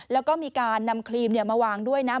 แล้วก็มีการนำครีมมาวางด้วยนะ